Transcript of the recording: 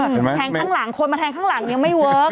แทงข้างหลังคนมาแทงข้างหลังยังไม่เวิร์ค